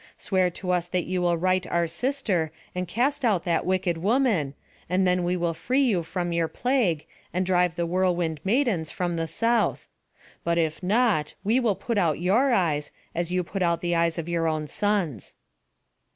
Swear to us that you will right our sister, and cast out that wicked woman; and then we will free you from your plague, and drive the whirlwind maidens from the south; but if not, we will put out your eyes, as you put out the eyes of your own sons."